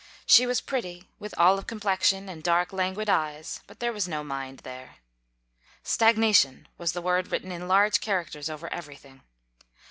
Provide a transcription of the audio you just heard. She was pretty, with olive complexion and dark, languid eyes, but there was no mind there. Stagna tion was the word written in large characters over everything.